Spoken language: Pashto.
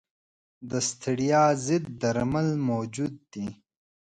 د ستړیا ضد درمل موجود دي.